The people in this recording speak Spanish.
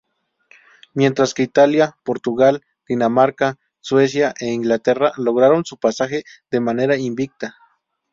Mientras que Italia, Portugal, Dinamarca, Suecia e Inglaterra lograron su pasaje de manera invicta.